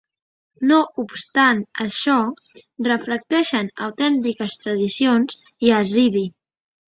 No obstant això, reflecteixen autèntiques tradicions Yazidi.